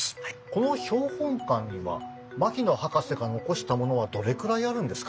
この標本館には牧野博士が残したものはどれくらいあるんですか？